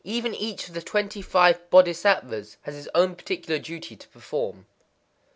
_ Even each of the Twenty five Bodhisattvas has his own particular duty to perform. 63.